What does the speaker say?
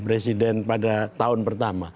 presiden pada tahun pertama